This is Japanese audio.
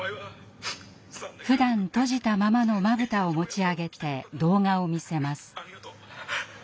ふだん閉じたままのまぶたを持ち上げて動画を見せます。